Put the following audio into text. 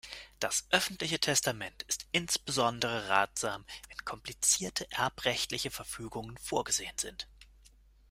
Das öffentliche Testament ist insbesondere ratsam, wenn komplizierte erbrechtliche Verfügungen vorgesehen sind.